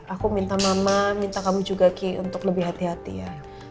aku minta mama minta kamu juga ki untuk lebih hati hati ya